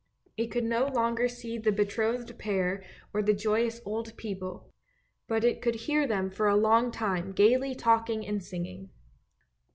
It could no longer see the betrothed pair or the joyous old people, but it could hear them for a long time gaily talking and singing.